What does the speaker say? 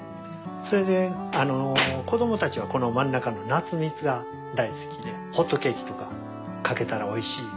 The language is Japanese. それであの子どもたちはこの真ん中の夏蜜が大好きでホットケーキとかかけたらおいしい。